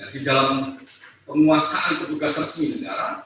di dalam penguasaan petugas resmi negara